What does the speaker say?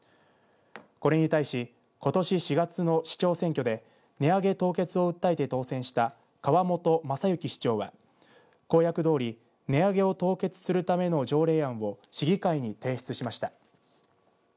これに対しことし４月の市長選挙で値上げ凍結を訴えて当選した川本雅之市長は公約どおり値上げを凍結するための条例案を市議会に提出しました。